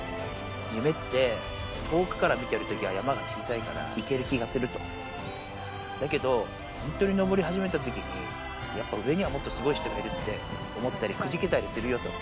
夢って、遠くから見てるときは山が小さいからいける気がすると、だけど、本当に登り始めたときに、やっぱ上にはもっとすごい人がいるって思ったり、くじけたりするよと。